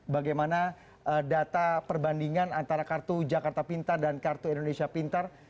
bagaimana data perbandingan antara kartu jakarta pintar dan kartu indonesia pintar